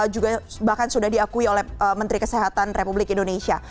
juga bahkan sudah diakui oleh menteri kesehatan republik indonesia